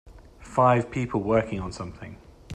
Five people working on something.